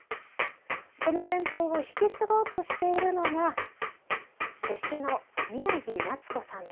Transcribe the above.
その伝統を引き継ごうとしているのが弟子の宮城奈津子さんです。